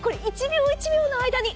１秒１秒の間に。